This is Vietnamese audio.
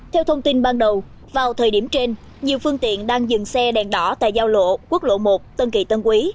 theo thông tin ban đầu vào thời điểm trên nhiều phương tiện đang dừng xe đèn đỏ tại giao lộ quốc lộ một tân kỳ tân quý